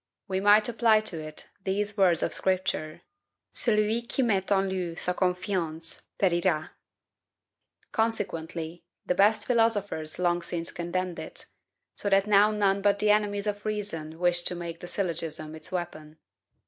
We might apply to it these words of Scripture: "Celui qui met en lui sa confiance, perira." Consequently, the best philosophers long since condemned it; so that now none but the enemies of reason wish to make the syllogism its weapon.